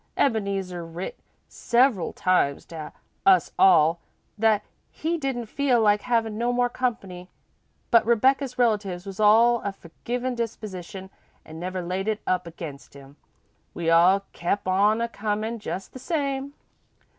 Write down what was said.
Ebeneezer writ several times to us all that he didn't feel like havin' no more company, but Rebecca's relatives was all of a forgivin' disposition an' never laid it up against him. We all kep' on a comin' just the same."